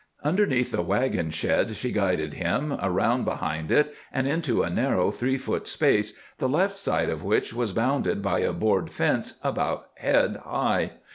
Underneath the wagon shed she guided him, around behind it and into a narrow three foot space, the left side of which was bounded by a board fence about head high.